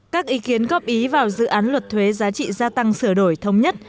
các ý kiến góp ý vào dự án luật thuế giá trị gia tăng sửa đổi thống nhất